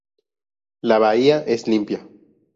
La bahía es limpia.